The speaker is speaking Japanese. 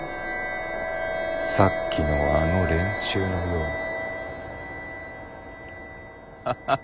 さっきのあの連中のように。